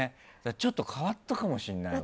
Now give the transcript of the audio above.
ちょっと変わったかもしれないわ。